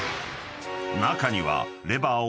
［中には］